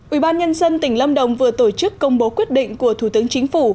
ủy ban nhân dân tỉnh lâm đồng vừa tổ chức công bố quyết định của thủ tướng chính phủ